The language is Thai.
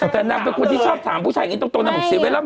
ตรงนางบอกเศรษฐภัยร่ำเวลาเนอะ